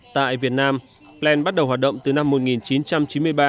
tại việt nam plan bắt đầu hoạt động từ năm một nghìn chín trăm chín mươi ba